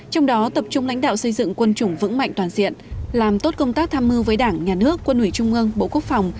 trong đó tập trung lãnh đạo xây dựng quân chủng vững mạnh toàn diện làm tốt công tác tham mưu với đảng nhà nước quân ủy trung ương bộ quốc phòng